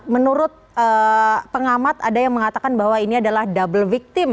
menurut pengamat ada yang mengatakan bahwa ini adalah double victim